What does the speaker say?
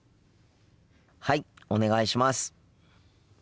はいお願いします。